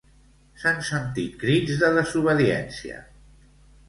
S'han sentit crits de desobediència.